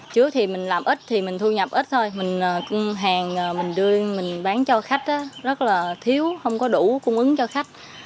trước thì mình làm ít thì mình thu nhập ít thôi mình bán cho khách rất là thiếu không có đủ cung ứng cho khách